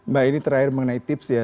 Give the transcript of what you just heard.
mbak ini terakhir mengenai tips ya